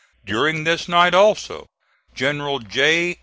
During this night also General J.